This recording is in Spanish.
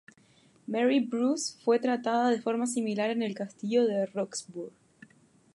Mary Bruce fue tratada de forma similar en el castillo de Roxburgh.